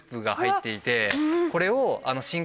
これを。